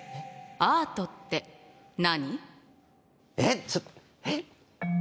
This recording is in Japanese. アートってな。